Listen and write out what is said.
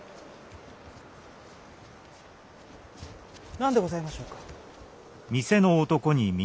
・何でございましょうか？